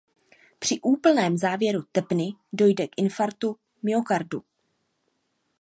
Při úplném uzávěru tepny dojde k infarktu myokardu.